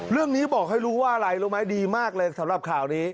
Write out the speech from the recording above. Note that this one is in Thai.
เรื่องนี้บอกให้รู้ว่าอะไรรู้ไหมดีมากเลยสำหรับข่าวนี้